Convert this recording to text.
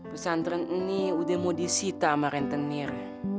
pesantren ini udah mau disita sama rentenir